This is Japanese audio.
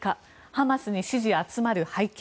ハマスに支持集まる背景。